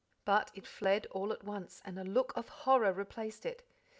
But it fled all at once, and a look of horror replaced it.